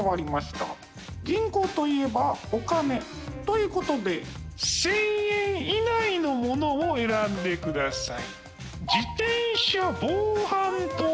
銀行といえばお金。という事で１０００円以内のものを選んでください。